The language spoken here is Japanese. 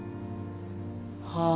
はあ？